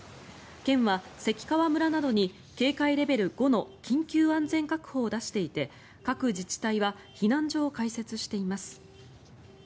県は関川村などに警戒レベル５の緊急安全確保を出していて各自治体は避難所を開設しています。